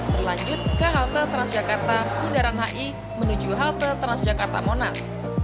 berlanjut ke halte transjakarta bundaran hi menuju halte transjakarta monas